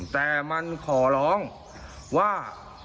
แต่มันขอร้องว่า